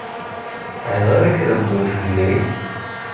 Ayɣer i treggel fell-i?